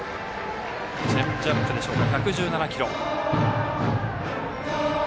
チェンジアップでしょうか。